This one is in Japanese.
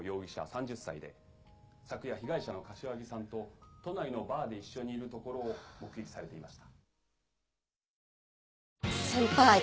３０歳で昨夜被害者の柏木さんと都内のバーで一緒にいるところを目撃されていました」